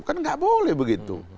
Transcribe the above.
kan nggak boleh begitu